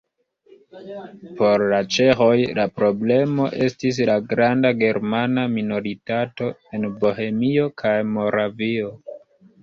Por la ĉeĥoj la problemo estis la granda germana minoritato en Bohemio kaj Moravio.